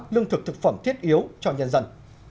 lương thực thực phẩm thiết yếu cho nhân dân